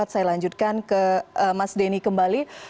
saya lanjutkan ke mas denny kembali